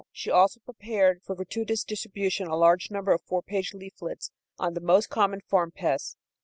She also prepared for gratuitous distribution a large number of four page leaflets on the most common farm pests.